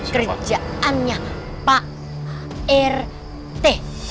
kerjaannya pak r t